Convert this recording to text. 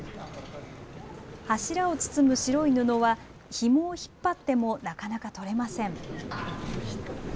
柱を包む白い布は、ひもを引っ張ってもなかなか取れません。